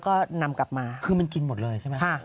ก็นำกลับมาคือมันกินหมดเลยใช่ไหม